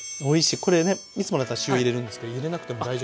これねいつもだったら塩入れるんですけど入れなくても大丈夫。